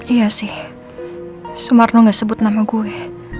iya sih sumarno gak sebut nama gue